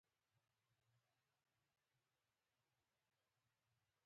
بدلون مني.